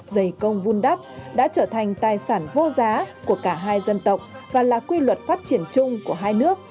giày công vun đắp đã trở thành tài sản vô giá của cả hai dân tộc và là quy luật phát triển chung của hai nước